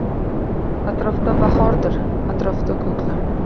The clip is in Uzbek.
Atrofda bahordir, atrofda ko’klam.